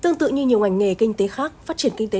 tương tự như nhiều ngành nghề kinh tế khác phát triển kinh tế